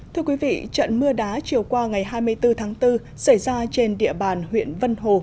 thưa quý vị trận mưa đá chiều qua ngày hai mươi bốn tháng bốn xảy ra trên địa bàn huyện vân hồ